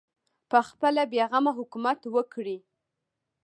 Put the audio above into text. پخپله بې غمه حکومت وکړي